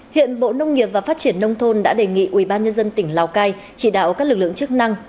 hiện bộ nông nghiệp và phát triển nông thôn đã đề nghị ủy ban nhân dân tỉnh lào cai chỉ đạo các lực lượng chức năng